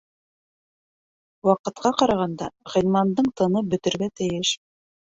Ваҡытҡа ҡарағанда, Ғилмандың тыны бөтөргә тейеш.